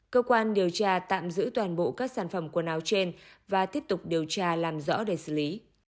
cơ quan điều tra tạm giữ toàn bộ các sản phẩm quần áo trên và tiếp tục điều tra làm rõ để xử lý